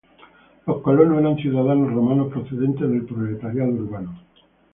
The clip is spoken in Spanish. Los colonos eran ciudadanos romanos procedentes del proletariado urbano.